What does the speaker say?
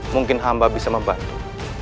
mungkin hamba bisa membantu